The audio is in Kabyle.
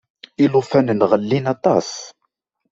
Ilufanen ɣellin aṭas.